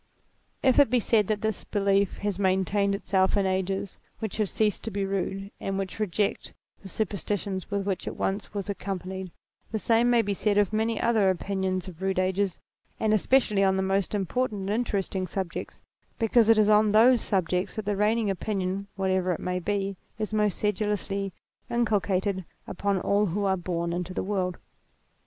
If it be said that this belief has maintained itself in ages which have ceased to be rude and which reject the superstitions with which it once was ac companied, the same may be said of many other opinions of rude ages, and especially on the most important and interesting subjects, because it is on those subjects that the reigning opinion, whatever it may be, is the most sedulously inculcated upon all who are born into the world.